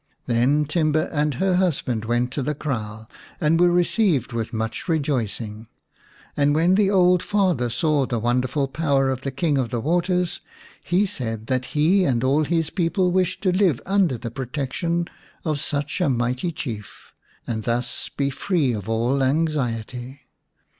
Then Timba and her husband went to the kraal and were received with much rejoicing. And when the old father saw the wonderful power of the King of the Waters, he said that he and all his p'eople wished to live under the protection of such a mighty Chief and thus be free of all anxiety.